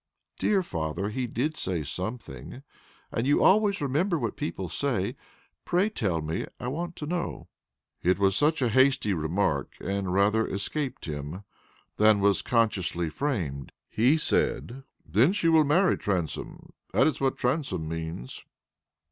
"Dear father, he did say something, and you always remember what people say. Pray tell me; I want to know." "It was a hasty remark, and rather escaped him than was consciously framed. He said, 'Then she will marry Transome; that is what Transome means.'"